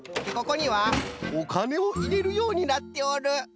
ここにはおかねをいれるようになっておる。